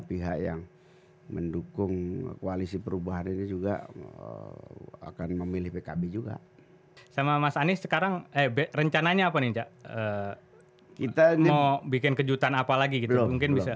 sama jangan lupa subscribe newsletter cna di indonesia